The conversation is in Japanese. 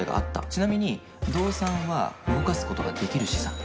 ちなみに動産は動かす事ができる資産。